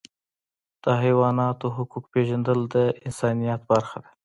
د حیواناتو حقوق پیژندل د انسانیت برخه ده.